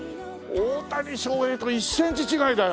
大谷翔平と１センチ違いだよ。